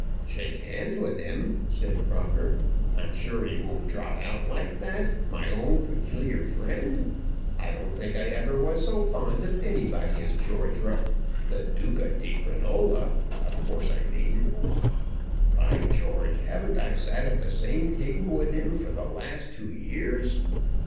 "Shake hands with him," said Crocker. "I'm sure he won't drop out like that; my own peculiar friend! I don't think I ever was so fond of anybody as George Ro , the Duca di Crinola of course I mean. By George! haven't I sat at the same table with him for the last two years!